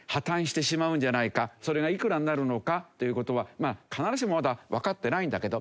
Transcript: それがいくらになるのかっていう事はまあ必ずしもまだわかってないんだけど。